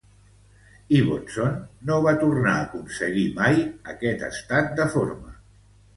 Ibbotson no va tornar a aconseguir mai aquest estat de forma.